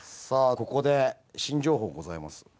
さあここで新情報ございます。